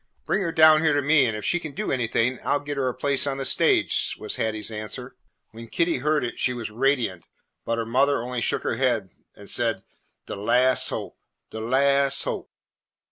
Bring her down here to me, and if she can do anything, I 'll get her a place on the stage," was Hattie's answer. When Kitty heard it she was radiant, but her mother only shook her head and said, "De las' hope, de las' hope."